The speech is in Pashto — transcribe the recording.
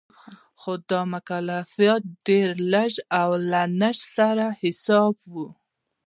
خو دا مکافات ډېر لږ او له نشت سره حساب و